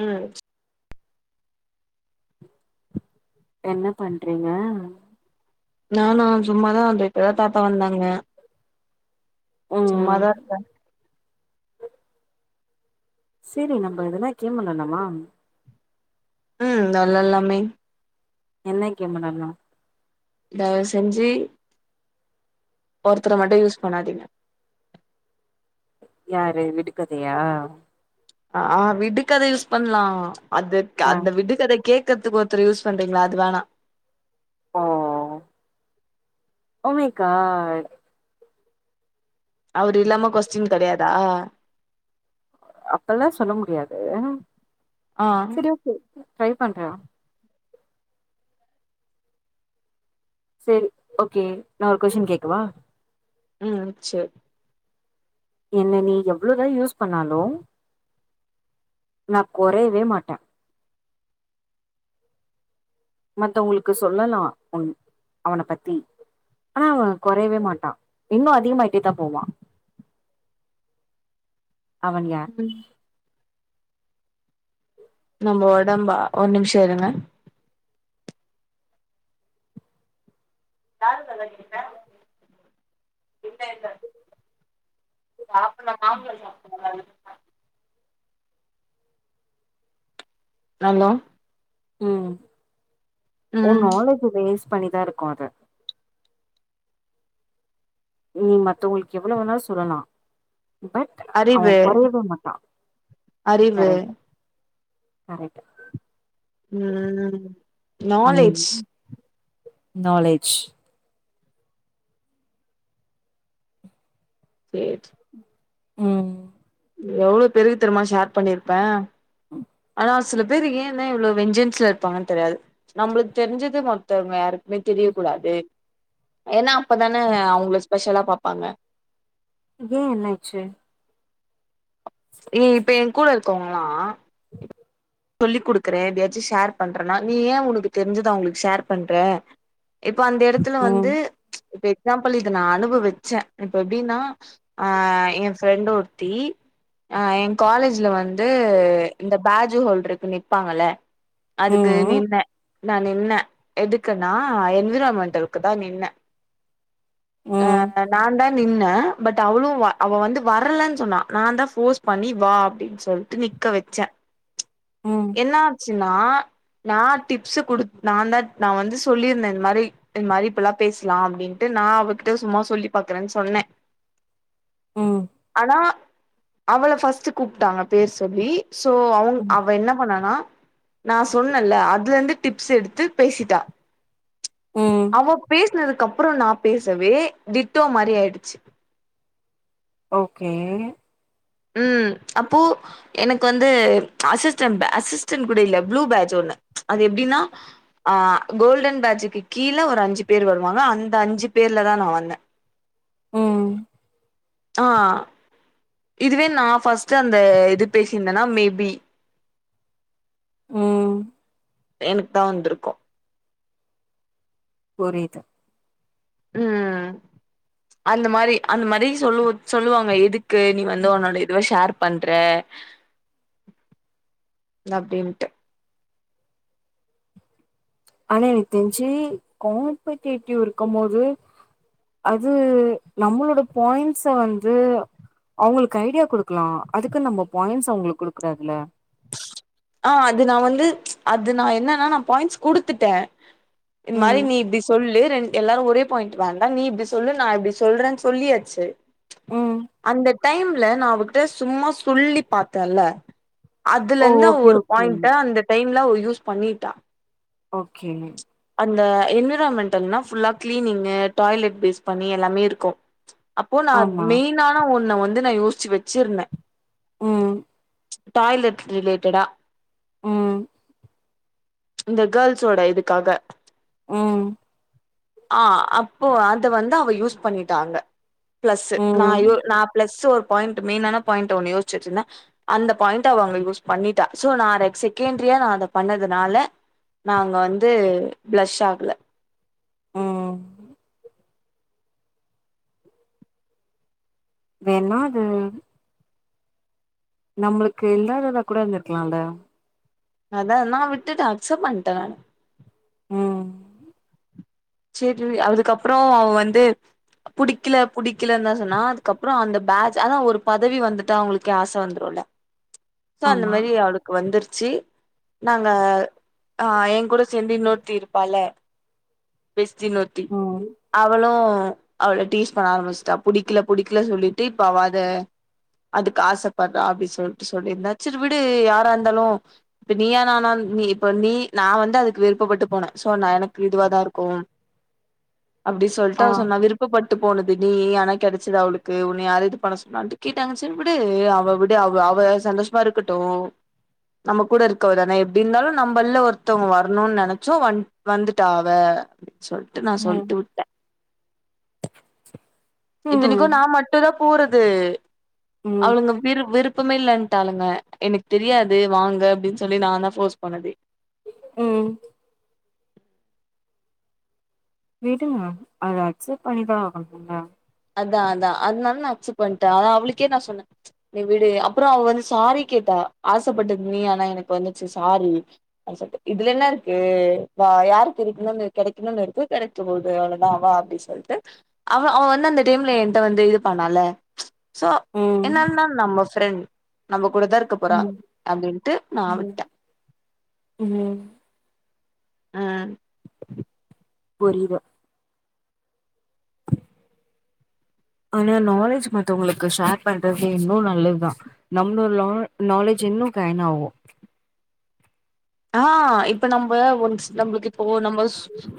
ம் என்ன பண்றீங்க நானா சும்மாதா அந்த இப்போதா தாத்தா வந்தாங்க ம் சும்மாதா இருக்கன் சரி நம்ம எதனா கேம் வெள்ளலாமா ம் தோ வெள்ளாலாமே என்ன கேம் வெள்ளானு தயவ செஞ்சி ஒருத்தர மட்டும் யூஸ் பண்ணாதீங்க யாரு விடுக்கதையா ஆ ஆ விடுக்கத யூஸ் பண்ணலாம் அதுக் ஆ அந்த விடுகதை கேக் கறத்துக்கு ஒருத்தர் யூஸ் பண்றீங்களா அது வேணா ஓ ஓ மை காட் அவரு இல்லாம கொஸ்டின் கெடையாதா அப்பல்லாம் சொல்ல முடியாது ஆ செரி ஓகே ட்ரை பண்ற செரி ஓகே நான் ஒரு கொஷின் கேக்கவா ம் செரி என்ன நீ எவ்ளோதா யூஸ் பண்ணாலும் நான் கொறைவே மாட்டன் மத்தவங்களுக்கு சொல்லலா உன் அவன பத்தி ஆனா அவன் கொறைவே மாட்டான் இன்னும் அதிகமாயிட்டேதான் போவான் அவன் யார் நம்ம உடம்பா ஒரு நிமிஷம் இருங்க யாருங்கத கேட்ட என்ன என்ன சாப்பிடலா நாங்க சாப்பிடல்ல ஹலோ ம் ஓ ம் நாளஜ் வேஸ் பண்ணிதா இருக்கு அது நீ மத்த உங்களுக்கு எவ்வளவு வேணா சொல்லலா பட் அறிவு அவன் குறையவே மாட்டா அறிவு நிறைய ஆய்ட்டா ம் ம் ம் நாலேஜ் நாலேஜ் வேத் ம் எவ்வளவு பெருக்கு தெரியுமா ஷேர் பண்ணியிருப்பே ம் ஆ சில பேர் ஏனே இவ்ளவு வெஞ்சன்ஸ்ல இருப்பாங்கன்னு தெரியாது நம்மளுக்கு தெரிஞ்சது மத்தவங்கயாரு மே தெரியகூடாது ஏனாப் இப்பதானே அவங்களஸ் ஸ்பெஷலா பாப்பாங்க ஏ என்னாச்சு இனி இப்ப என் கூட இருக்கோங்களா சொல்லி் கொடுக்குறே எதயாச்சு ஷேர் பண்றன்னா நீ ஏ உனக்கு தெரிஞ்சத அவங்களுக்கு ஷேர் பண்ற இப்ப அந்த எடத்துல ம் வந்து இப்ப எக்ஸாம்பிள் இத நா அனுபவி வச்சே இப்ப எப்டின்னா அ என் ஃப்ரெண்ட் ஒருத்தி அ என் காலேஜ்ல வந்து இந்த பேஜ் ஹோல் இதுக்கு நிப்பாங்கள அதுக்கு ம் நின்ன நா நின்னே எதுக்குன்னா என்விரான்மென்ட்ல்குதா நின்னே அ ம் நான்தா நின்ன பட் அவளும் அவ வந்து வரலன்னு சொன்னா நா தா ஃபோர்ஸ் பண்ணி வா அப்டின்னு சொல்லி நிக்க வச்சே ம் ம் என்னாச் ச்சுனா நா டிப்ஸ் குடுத் நா தா நா வந்து சொல்லியிருந்தே இந்த மாதிரி இந்த மாதிரி இப்பல்லா பேசலா அப்படின்ட்டு நா அவகிட்ட சும்மா சொல்லி பாக்குறேன்னு சொன்னே ம் ஆனா அவள பஸ்ட் கூப்பிட்டாங்க பேர் சொல்லி சோ அவுங் அவ் நானா நா சொன்னல்ல அதுல இருந்து டிப்ஸ் எடுத்து பேசிட்டா ம் அவ பேஸ் னதுக்கு அப்புற நா பேசவே டிட்டோ மாரி ஆய்டுச்சு ஓகே ம் அப்போ எனக்கு வந்து அசிஸ்டென்ட் அசிஸ்டன் கூட இல்ல ப்ளூ பேஞ் ஒண்ணு அது எப்படின்னா அ கோல்டன் பேஞ்சுக்கு கீழ ஒரு அஞ்சு பேர் வருவாங்க அந்த அஞ்சு பேர்லதா நா வந்தேன் ம் ஆ இதுவே நா பஸ் அந்த இது பேசிருந்தேன்னா மே பி ம் எனக்கு தா வந்துருக்கு புரியுது ம் அந்த மாரி அந்த மாரி சொல்லு சொல்லுவாங்க எதுக்கு நீ வந்து ஒன்னோட இதுவ ஷேர் பண்ற அப்டின்டு ஆனா எனக்கு தெரிஞ்சு காம்படேட்டிவ் இருக்கம் போது அது நம்மளோட பாயிண்ட்ஸ வந்து அவுங்களுக்கு ஐடியா குடுக்கலா அதுக்கு நம்ம பாயிண்ட்ஸ அவுங்களுக் குடுக்க கூடாதுல ஆ அது நா வந்து அது நா என்னன்னா நா பாயிண்ட்ஸ் குடுத்துட்டேன் இந் மாரி ம் நீ இப்டி சொல்லு ரெண் எல்லாரு ஒரே பாயிண்ட் வேண்டா நீ இப்டி சொல்லு நா இப்டி சொல்றேன்னு சொல்லியாச்சு ம் அந்த டைம்ல நா அவகிட்ட சும்மா சொல்லி பாத்தேன்ல அதுல ஓ இருந்து அவ ஓகே ஒரு ஓகே பாயிண்ட் அந்த டைம்ல அவ யூஸ் பண்ணிட்டா ஓகே அந்த என்விராய்மெண்டல்னா ஃபுல்லா கிளீனிங்கு டாய்லெட் பேஸ் பண்ணி எல்லாமே இருக்கும் அப்போ நா ஆமா மெய்னான ஒன் உன்ன வந்து நா யோசிச்சு வச்சுருந்தேன் ம் டாய்லெட் ரிலேட்டடா ம் இந்த கேர்ள்ஸ் சோட இதுக்காக ம் ஆ அப்போ அத வந்து அவ யூஸ் பண்ணிட்டா அங்க பிளஸ் நா யோ ம், நா பிளஸ் ஓ பாயிண்ட் மெயினான பாயண்ட் ஒன்னு யோசுச்சு வச்சுந்தே அந்த பாயிண்ட்ட அவ அங்க‌ யூஸ் பண்ணிட்டா சோ நா ர செகண்ட்ரியா நா அத பண்ணதுனால நா அங்க வந்து பிளஷ் ஆகல ம். வேண்ணா அது நம்மளுக்கு இல்லாததா கூட இருந்துருக்கலால்ல அதா நா விட்டுடே அச்செப்ட் பண்டே நானு ம் சேரி அதுக்கப்றொ அவ வந்து புடிக்கல புடிக்கலன்தா சொன்னா அதுக்கப்புறொ அந்த பேட்ஜ் அதா ஒரு பதவி வந்துட்டா அவுங்களுக்கே ஆச வந்துருல்ல சோ அந்த ஆமா. மாரி அவளுக்கு வந்துரு ச்சு நாங்க ஆ எ கூட சேந்து இன்னொருத்தி இருப்பால பெஸ்டின் ஒருத்தி ம். அவளு அவள டீஸ் பண்ண ஆரம்பிச்ட்டா புடிக்கல புடிக்கல சொல்லிட்டு இப்ப அவ அத அதுக்கு ஆசப்பர்றா அப்டி சொல்ட்டு சொல்லிருந்தா செரி விடு யாரா இருந்தாலு இப்ப நீயா நானா நீ இப்ப நீ நா வந்து அதுக்கு விருப்பப்பட்டு போனே சோ நா எனக்கு இதுவா தா இரு க்கும் அப்டி சொல்ட்டு ஆ. அவ சொன்னா விருப்பப்பட் டு போனது நீ ஆனா கெடச்சது அவளுக்கு உன்ன யாரு இது பண்ண சொன்னான்ட்டு கேட்டாங்க செரி விடு அவ விடு அவ அவ சந்தோஷமா இருக்கட்டு நம்ம கூட இருக்கவ தானெ எப்டி இருந்தாலு நம்பள்ல ஒருத்தவ்ங்க வரணுன் நெனச்சோ வன் வந்துட்டா அவ [inaudible] சொல்ட்டு நா ம். சொல்ட்டு விட்டே ம். இத்தனைக்கு நா மட்டு தா போறது ம். அவங்க விரு விரு பமே இல்லன்ட்டாளுங்க எனக் தெரியாது வாங்க அப்டின் சொல்லி நாந்தா ஃபோர்ஸ் பண்ணதே ம் விடுங்க அத அக்செப்ட் பண்ணிதா ஆகனுல்ல அதா அதா அத்னால நா அக்சப்ட் பண்ட்டே அதா அவளுக்கே நா சொன்னே நீ விடு அப்றொ அவ வந்து சாரி கேட்டா ஆசப்பட்டது நீ ஆனா எனக்கு வந்துச்சு சாரி அடி சொல்ட்டு இதுலென்னருக்கு வா யாருக்கு இருக்கணுன் கெடைக்கன் இருக்கொ கெடைக்கபோது அவ்ளதா வா அப்டி சொல்ட்டு அவ அவ வந்து அந்த டைம்ல ஏன்ட்ட வந்து இது பண்ணால சோ ம். என்ன இருந்தாலு நம்ம ஃப்ரண்ட் நம்ப கூடதா இருக்க போறா ம். அப்டின்ட்டு நா ம். விட்டே ம். ஆ புரியிது ஆனா நாலேஜ் மத்தவுங்களுக்கு ஷேர் பண்றது இன்னு நல்லதுதா நம்மளோ லா நாலேஜ் இன்னு கைன் ஆவு ஆ இப்ப நம் ப ஒன்ஸ் நம்ளுக்கு இப்போ நம்ம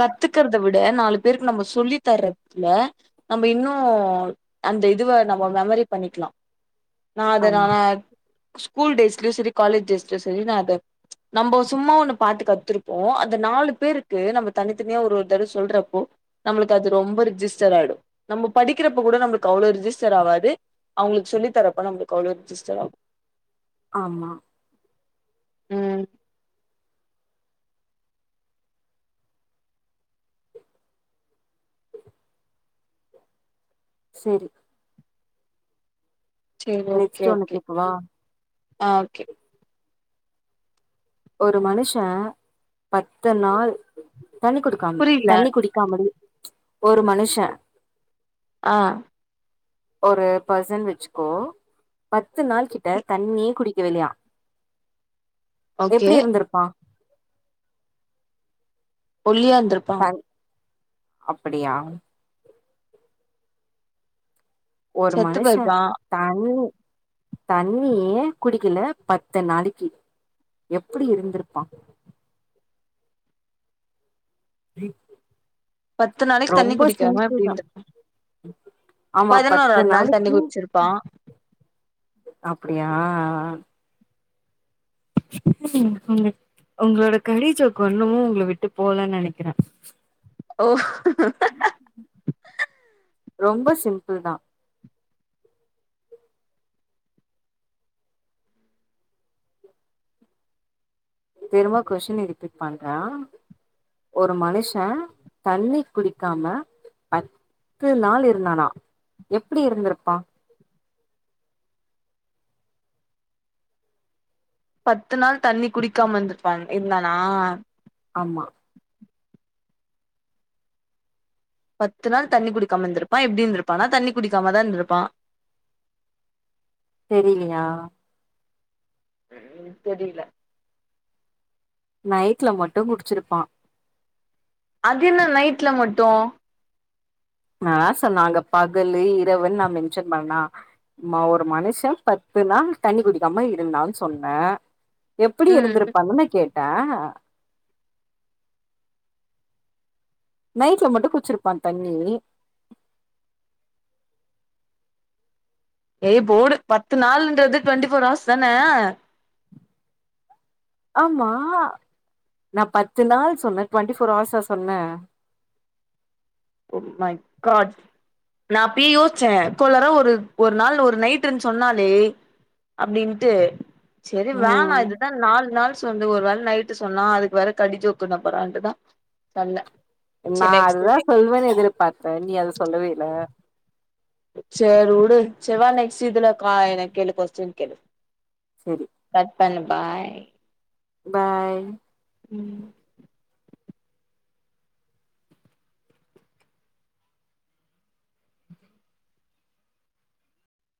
கத்துக்க ற்த விட நாலு பேருக்கு நம்ம சொல்லி தர்றதுல நம்ப இன்னு அந்த இதுவ நம்ம மெமரி பண்ணிக்லா நா அத ஆமா, நானா ஸ்கூல் டேஸ்லயும் செரி காலேஜ் டேஸ்லயும் செரி நான் அத நம்போ சும்மா ஒண்ணு பாத்து கத்துருப்போம் அந்த நாலு பேருக்கு நம்ப தனித்தனியா ஒரு ஒரு தடவ சொல்றப்போ நம்மளுக்கு அது ரொம்ப ரிஜிஸ்டர் ஆயிடும் நம்ம படிக்கிறப்போ கூட நம்மளுக்கு அவ்வளவு ரிஜிஸ்டர் ஆவாது அவுங்களுக்கு சொல்லி தர அப்ப நம்மளுக்கு அவ்ளோ ரிஜிஸ்டர் ஆகும் ஆமா ம் செரி சேரி ஓகே நெக்ஸ்ட்டு ஒண்ணு ஓகே கேக்கவா ஆ ஓகே ஒரு மனுஷன் பத்து நாள் தண்ணி குடுக்காம புரில தண்ணி குடிக்காமலே ஒரு மனுஷன் ஆ ஒரு பர்சன் வச்சிக்கோ பத்து நாள் கிட்ட தண்ணி குடிக்கவில்லயா ஓகே எப்டி இருந்திருப்பான் ஒல்லியாந்திருப்பான் அப்டியா ஒரு செத்து மனுஷன் போயிருப்பா தண்ணி தண்ணியே குடிக்கல பத்து நாளிக்கி எப்டி இருந்திருப்பான் பத்து நாளைக்கு தண்ணி ரொம்ப குடிக்காம சிம்பிள் எப்டி தா இருந்திருப்பா ஆமா பத்து பதினொராவது நாள் தண்ணி நாளைக்கு குடிச்சிருப்பான் ஆ ம் உங்க உங்களோட கடிச்ஜோக்கு ஒண்ணுமும் ஒங்கள விட்டு போலன்னு நெனைக்கிறே ஓ ரொம்ப சிம்பிள் தான் திரும்ப கொஷின ரிப்பீட் பண்ற ஒரு மனுஷன் தண்ணி குடிக்காம பத்து நாள் இருந்தானா எப்டி இருந்திருப்பான் பத்து நாள் தண்ணி குடிக்காம இருந்துப்பா இருந்தானா ஆமா பத்து நாள் தண்ணி குடிக்காம இருந்திருப்பான் எப்டி இருந்திருப்பானா தண்ணி குடிக்காமாதான் இருந்திருப்பான் தெரியிலையா ம் உ தெரியில நைட்ல மட்டும் குடிச்சிருப்பான் அது என்ன நைட்ல மட்டும் நாதா சொன்ன அங்க பகலு இரவுன் நான் மென்ஷன் பண்ணா ஒரு மனுஷன் பத்து நாள் தண்ணி குடிக்காம இருந்தான் சொன்னன் எப்டி ம் இருந்திருப்பானுதான கேட்டன் [inaudible] நைட்ல மட்டும் குச்சிருப்பான் தண்ணி ஏய் போடு பத்து நாள் இன்றது டொண்ட்டி ஃபோர் ஹவர்ஸ் தான ஆமா நான் பத்து நாள் சொன்னே டொண்ட்டி ஃபோர் ஹவர்ஸா சொன்ன ஓ மை காட் நா அப்பியே யோசிச்சேன் குள்ளர ஒரு ஒரு நாள் ஒரு நைட்டுன் சொன்னாலே அப்பிடின்ட்டு சேரி வேணா ம் இதுதா நால் நாள் வந்து ஒரு வேளை நைட்டு சொன்னா அதுக்கு வேற கடிஜோக் குன்ன போறான்டுதா சொல்ல நா அதுதா சொல்வேன் எதிர்ப் பாக்ற நீ அத சொல்லவே இல்ல சேரிவுடு செரிவா நெக்ஸ்ட் இதுல கா எனக் கேளு கொஸ்டின் கேளு சேரி பன் பாய் பாய் ம்